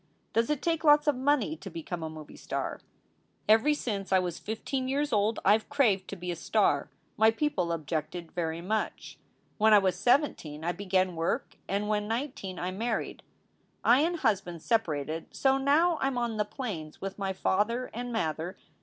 Does it take lots of money to be come a Movie Star. Every since I was 15 years old Ive craved to be a star. My people Objected very much. When I Was 17 I began Work when 19 I Married. I An husband seperated, so Now Im on the plains with my fauther an Mather.